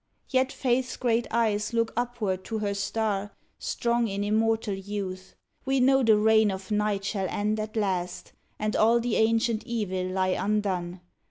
Yet Faith s great eyes look upward to her star, Strong in immortal youth: We know the reign of Night shall end at last, And all the ancient evil lie undone.